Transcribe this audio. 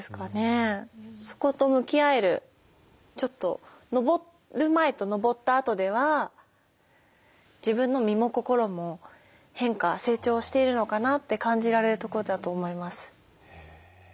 そこと向き合えるちょっと登る前と登ったあとでは自分の身も心も変化成長しているのかなって感じられるところだと思います。